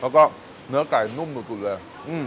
แล้วก็เนื้อไก่นุ่มสุดเลย